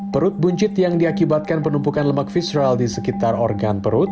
perut buncit yang diakibatkan penumpukan lemak visral di sekitar organ perut